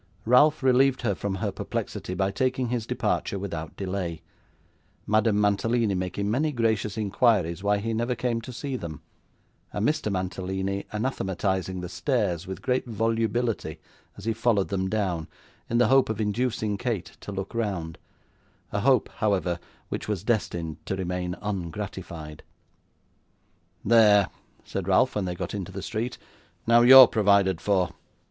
Ralph relieved her from her perplexity by taking his departure without delay: Madame Mantalini making many gracious inquiries why he never came to see them; and Mr. Mantalini anathematising the stairs with great volubility as he followed them down, in the hope of inducing Kate to look round, a hope, however, which was destined to remain ungratified. 'There!' said Ralph when they got into the street; 'now you're provided for.